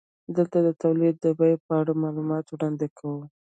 دلته د تولید د بیې په اړه معلومات وړاندې کوو